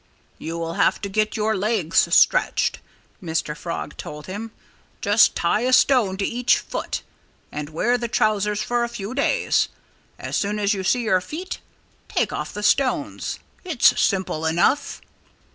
"You'll have to get your legs stretched," Mr. Frog told him. "Just tie a stone to each foot and wear the trousers for a few days. As soon as you see your feet, take off the stones.... It's simple enough."